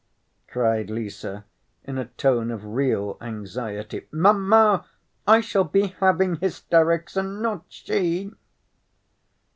cried Lise, in a tone of real anxiety. "Mamma, I shall be having hysterics, and not she!"